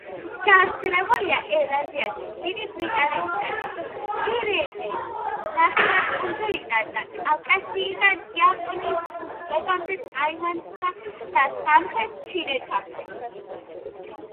გავრცელებულია ევრაზიაში დიდი ბრიტანეთიდან, პირენეს ნახევარკუნძულიდან და კავკასიიდან იაპონიის კუნძულებამდე, ტაივანსა და სამხრეთ ჩინეთამდე.